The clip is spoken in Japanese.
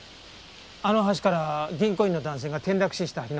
あの橋から銀行員の男性が転落死した日の夜ですが。